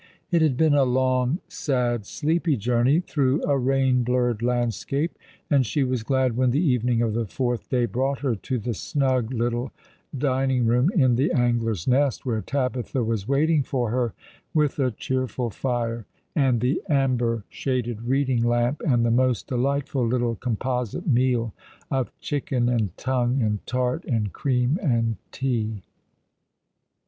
It had been a long, sad, sleepy journey, through a rain blurred landscape, and she was glad when the evening of the fourth day brought her to the snug little dining room in the Angler's Nest, where Tabitha was waiting for her with a cheerful fire and the amber shaded reading lamp, and the most delightful little composite meal of chicken and tongue, and tart, and cream, and tea.